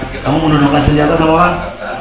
kamu menggunakan senjata sama orang